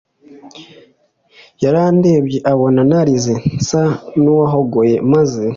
yarandebye abona narize nsa nuwahogoye maze